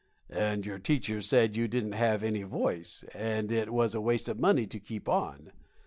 And your teacher said you didn't have any voice, and it was a waste of money to keep on.